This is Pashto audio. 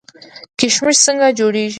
کشمش څنګه جوړیږي؟